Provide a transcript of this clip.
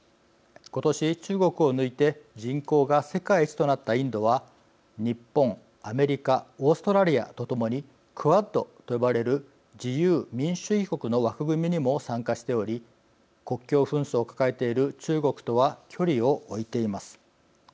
今年、中国を抜いて人口が世界一となったインドは日本、アメリカオーストラリアとともにＱＵＡＤと呼ばれる自由民主主義国の枠組みにも参加しており国境紛争を抱えている中国とは距離を置いています。